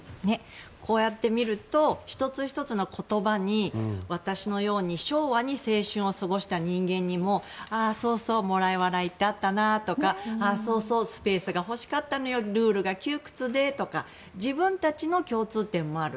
こうやって見ると１つ１つの言葉に私のように昭和に青春を過ごした人間にもそうそうもらい笑いってあったなとかそうそうスペースが欲しかったのよルールが窮屈でとか自分たちの共通点もある。